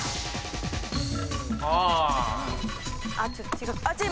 違う。